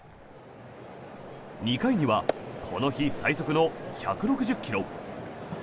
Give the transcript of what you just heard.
２回にはこの日最速の１６０ｋｍ。